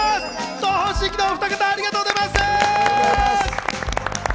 東方神起のおふた方、ありがとうございます。